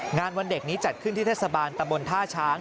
วันเด็กนี้จัดขึ้นที่เทศบาลตะบนท่าช้าง